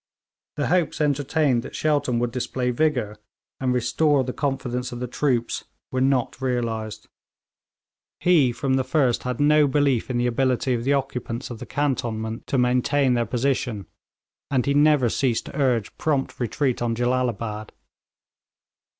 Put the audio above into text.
The hopes entertained that Shelton would display vigour, and restore the confidence of the troops, were not realised. He from the first had no belief in the ability of the occupants of the cantonment to maintain their position, and he never ceased to urge prompt retreat on Jellalabad.